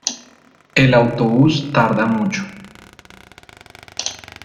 El autobús tarda mucho.